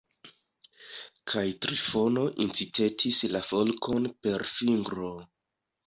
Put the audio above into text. Kaj Trifono incitetis la falkon per fingro.